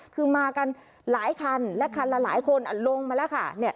คือมากันหลายคันและคันละหลายคนลงมาแล้วค่ะ